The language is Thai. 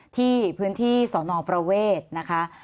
ที่พื้นที่สอนอประเวทนะคะ